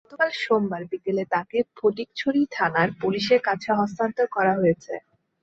গতকাল সোমবার বিকেলে তাঁকে ফটিকছড়ি থানার পুলিশের কাছে হস্তান্তর করা হয়েছে।